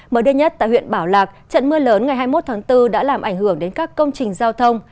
mới đây nhất tại huyện bảo lạc trận mưa lớn ngày hai mươi một tháng bốn đã làm ảnh hưởng đến các công trình giao thông